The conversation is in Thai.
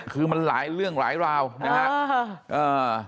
คือมันหลายเรื่องหลายราวนะครับ